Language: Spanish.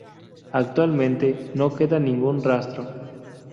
Actualmente no queda ningún rastro.